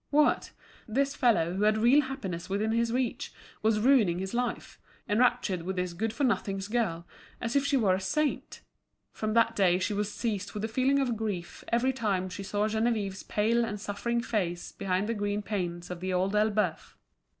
What! this fellow, who had real happiness within his reach, was ruining his life, enraptured with this good for nothings girl as if she were a saint! From that day she was seized with a feeling of grief every time she saw Geneviève's pale and suffering face behind the green panes of The Old Elbeuf.